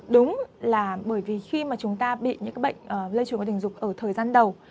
đúng là bởi vì khi mà chúng ta bị những bệnh lây truyền vào tình dục ở thời gian đầu